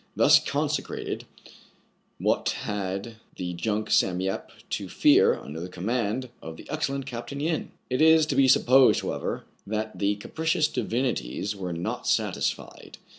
Thus consecrated, what had the junk "Sam Yep" to fear under the command of the excellent Capt. Yin? It is to be supposed, however, that the capricious divinities were not satisfied.